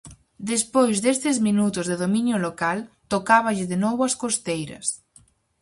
Despois destes minutos de dominio local tocáballe de novo as costeiras.